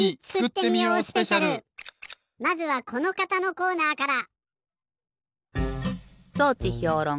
まずはこのかたのコーナーから。